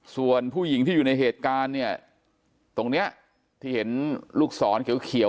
ส่วนผู้หญิงที่อยู่ในเหตุการณ์เนี่ยตรงนี้ที่เห็นลูกศรเขียว